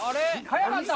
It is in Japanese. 早かった！